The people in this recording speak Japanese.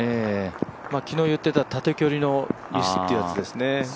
昨日言ってた縦距離のミスということですね。